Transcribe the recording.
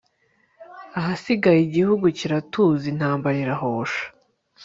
ahasigaye igihugu kiratuza, intambara irahosha